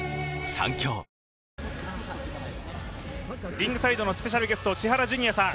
リングサイドのスペシャルゲスト千原ジュニアさん